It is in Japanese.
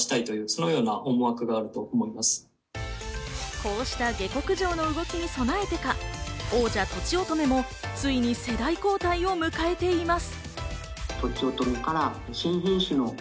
こうした下克上の動きに備えてか、王者・とちおとめも、ついに世代交代を迎えています。